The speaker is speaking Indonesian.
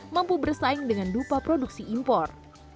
mampu bersaing dengan dupa produksi impor